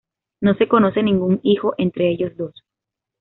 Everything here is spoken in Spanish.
No se conoce ningún hijo entre ellos dos.